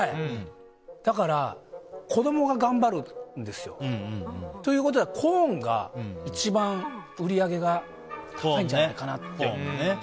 だから子供が頑張るんですよ。ということはコーンが一番売り上げが高いんじゃないかなと。